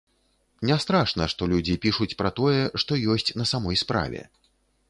Не страшна, што людзі пішуць пра тое, што ёсць на самой справе.